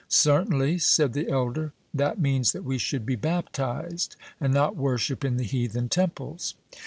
"Certainly," said the elder; "that means that we should be baptized, and not worship in the heathen temples."